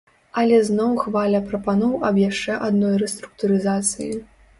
Але зноў хваля прапаноў аб яшчэ адной рэструктурызацыі.